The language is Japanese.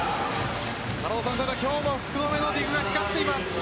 ただ、今日の福留のディグは光っています。